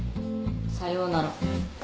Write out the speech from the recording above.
さようなら。